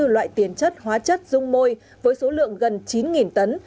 sáu mươi bốn loại tiền chất hóa chất dung môi với số lượng gần chín tấn